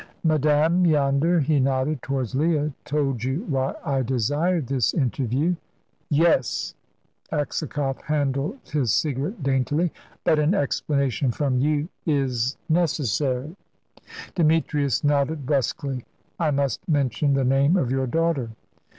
"Madame yonder" he nodded towards Leah "told you why I desired this interview." "Yes!" Aksakoff handled his cigarette daintily "but an explanation from you is necessary." Demetrius nodded brusquely. "I must mention the name of your daughter."